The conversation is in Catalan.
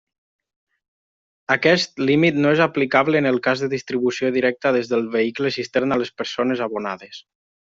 Aquest límit no és aplicable en el cas de distribució directa des del vehicle cisterna a les persones abonades.